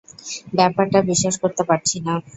ব্যাপারটা বিশ্বাস করতে পারছি না।